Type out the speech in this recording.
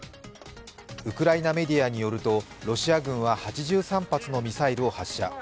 ウクライナメディアによると、ロシア軍は８３発のミサイルを発射。